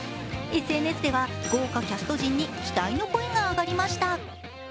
ＳＮＳでは豪華キャスト陣に期待の声が上がりました。